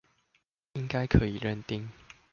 應該可以認定